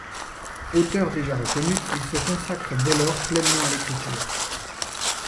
Auteur déjà reconnu, il se consacre dès lors pleinement à l'écriture.